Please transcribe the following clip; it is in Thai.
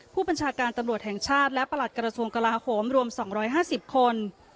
ผู้บัญชาการตำรวจแห่งชาติและประหลัดกระทรวงกลาโหมรวม๒๕๐คน